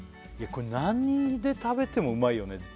これ何で食べてもうまいよね